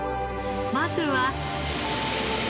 まずは。